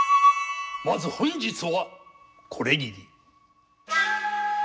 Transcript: まず本日はこれぎり。